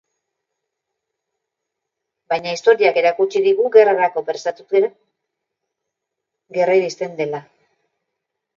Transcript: Baina historiak erakutsi digu gerrarako prestatuz gero, gerra iristen dela.